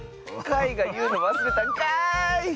かいがいうのわすれたんかい！